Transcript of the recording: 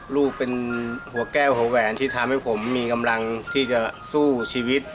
ลูกเป็นหัวแก้วหัวแหวนที่ทำให้ผมมีกำลังที่จะสู้ชีวิต